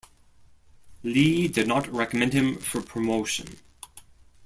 Lee did not recommend him for promotion.